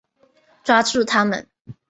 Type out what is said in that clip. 抓住他们！